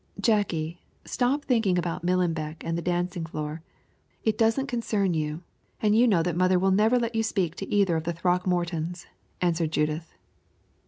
"Jacky, stop thinking about Millenbeck and the dancing floor. It doesn't concern you, and you know that mother will never let you speak to either of the Throckmortons," answered Judith.